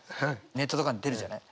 ネットとかに出るじゃない。